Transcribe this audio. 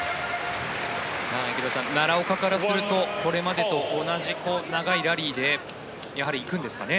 池田さん、奈良岡からするとこれまでと同じ長いラリーでやはり行くんですかね